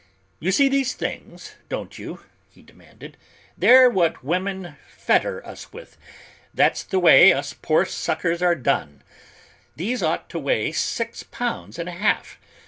"You see these things, don't you?" he demanded; "they're what women fetter us with. That's the way us poor suckers are done! These ought to weigh six pounds and a half.